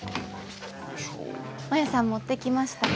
マヤさん持ってきましたよ。